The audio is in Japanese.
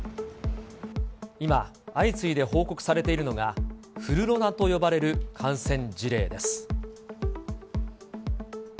今、相次いで報告されているのが、フルロナと呼ばれる感染事例です。